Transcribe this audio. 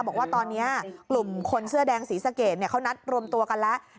บอกว่าตอนนี้กลุ่มคนเสื้อแดงศรีสะเกดเขานัดรวมตัวกันแล้ว